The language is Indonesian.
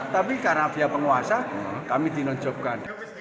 tapi karena biaya penguasa kami dinonjolkan